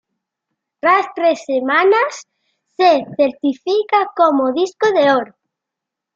Tras tres semanas se certifica como disco de oro.